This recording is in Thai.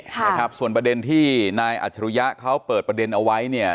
ค่ะนะครับส่วนประเด็นที่นายอัจฉริยะเขาเปิดประเด็นเอาไว้เนี่ย